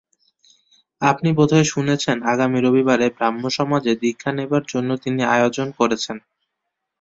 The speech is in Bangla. আপনি বোধ হয় শুনেছেন, আগামী রবিবারে ব্রাহ্মসমাজে দীক্ষা নেবার জন্যে তিনি আয়োজন করেছেন।